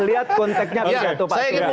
lihat konteknya pak jokowi